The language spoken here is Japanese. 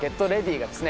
がですね